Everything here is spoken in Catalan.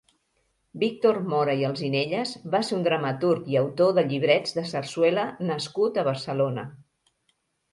Víctor Mora i Alzinelles va ser un dramaturg i autor de llibrets de sarsuela nascut a Barcelona.